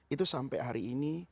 itu sampai hari ini